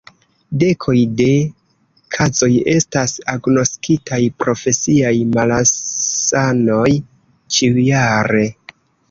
Dekoj de kazoj estas agnoskitaj profesiaj malsanoj ĉiujare.